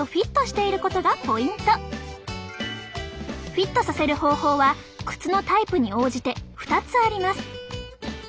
フィットさせる方法は靴のタイプに応じて２つあります。